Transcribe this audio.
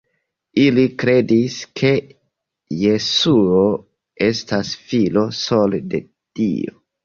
Ili kredis, ke Jesuo estas Filo sole de Dio.